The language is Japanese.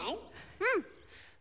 うん！